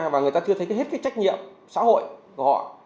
và người ta chưa thấy hết trách nhiệm xã hội của họ